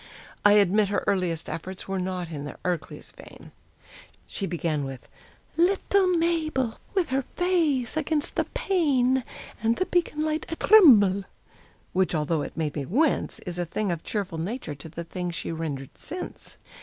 I admit her earliest efforts were not in the Ercles vein: She began with "Lit tle Maaybel, with her faayce against the paayne, And the beacon light a trrremble " which, although it made me wince, Is a thing of cheerful nature to the things she's rendered since.